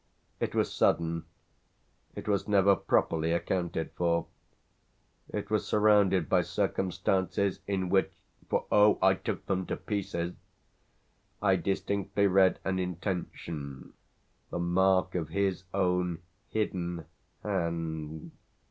It was sudden, it was never properly accounted for, it was surrounded by circumstances in which for oh, I took them to pieces! I distinctly read an intention, the mark of his own hidden hand.